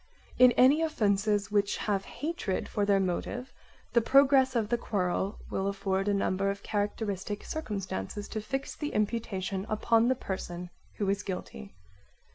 In any offences which have hatred for their motive the progress of the quarrel will afford a number of characteristic circumstances to fix the imputation upon the person who is guilty.